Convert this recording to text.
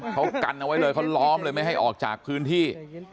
เขากันเอาไว้เลยเขาล้อมเลยไม่ให้ออกจากพื้นที่